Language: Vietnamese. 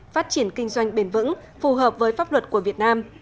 phát triển kinh doanh bền vững phù hợp với pháp luật của việt nam